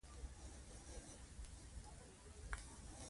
کابل ښار ټولو زدکوونکو ازموینې ته چمتووالی نیوه